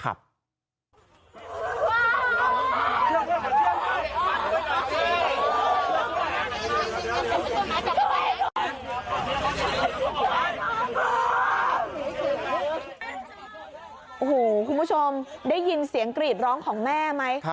โอ้โหคุณผู้ชมได้ยินเสียงกรีดร้องของแม่ไหม